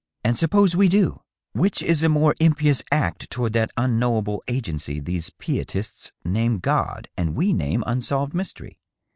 And suppose we do ! ^Tiich is a more impious act toward that un knowable agency these pietists name Grod and we name unsolved mys tery